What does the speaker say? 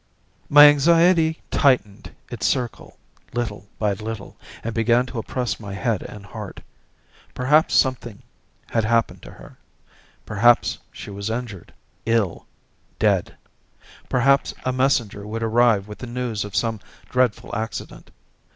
My anxiety tightened its circle little by little, and began to oppress my head and heart. Perhaps something had happened to her. Perhaps she was injured, ill, dead. Perhaps a messenger would arrive with the news of some dreadful accident.